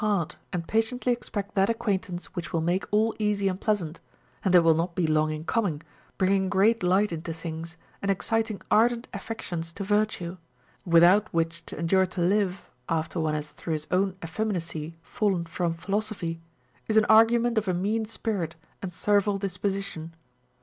461 hard and patiently expect that acquaintance which Avill make all easy and pleasant ; and that will not be long in coming, bringing great light into things and exciting ardent affections to virtue ; without which to endure to live, after one has through his own effeminacy fallen from philosophy, is an argument of a mean spirit and servile disposition.